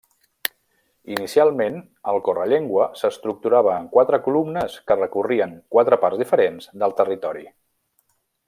Inicialment, el Correllengua s'estructurava en quatre columnes que recorrien quatre parts diferents del territori.